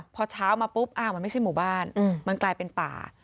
พอเช้ามาปุ๊บอ้าวมันไม่ใช่หมู่บ้านมันกลายเป็นป่า